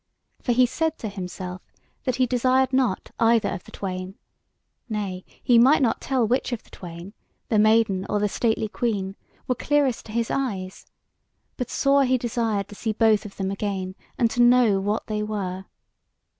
For he said to himself that he desired not either of the twain; nay, he might not tell which of the twain, the maiden or the stately queen, were clearest to his eyes; but sore he desired to see both of them again, and to know what they were.